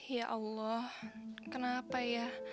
ya allah kenapa ya